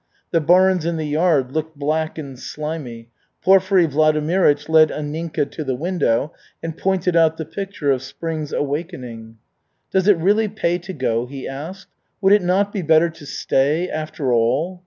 The barns in the yard looked black and slimy. Porfiry Vladimirych led Anninka to the window and pointed out the picture of spring's awakening. "Does it really pay to go?" he asked. "Would it not be better to stay, after all?"